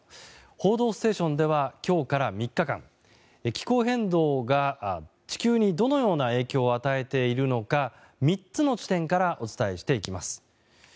「報道ステーション」では今日から３日間気候変動が地球にどのような影響を与えているのか３つの地点からお伝えしていきます。